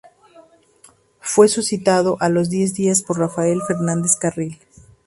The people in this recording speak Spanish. Fue sustituido a los diez días por Rafael Fernández Carril.